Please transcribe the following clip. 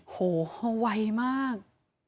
โอ้โหไวมาก